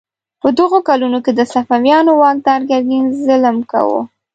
په دغو کلونو کې د صفویانو واکدار ګرګین ظلم کاوه.